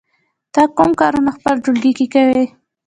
ته کوم کارونه په خپل ټولګي کې کوې؟